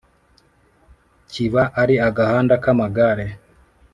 kiba ari agahanda k’amagare.